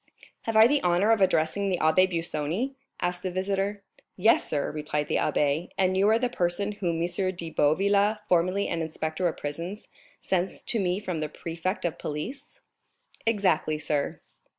"Have I the honor of addressing the Abbé Busoni?" asked the visitor. "Yes, sir," replied the abbé; "and you are the person whom M. de Boville, formerly an inspector of prisons, sends to me from the prefect of police?" "Exactly, sir."